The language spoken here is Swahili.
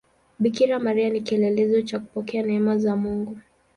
Bikira Maria ni kielelezo cha kupokea neema za Mungu.